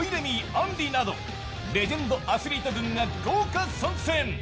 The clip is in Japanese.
杏利などレジェンドアスリート軍が豪華参戦。